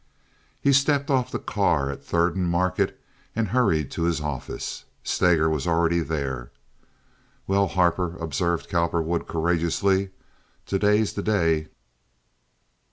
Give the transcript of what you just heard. He stepped off the car at Third and Market and hurried to his office. Steger was already there. "Well, Harper," observed Cowperwood, courageously, "today's the day."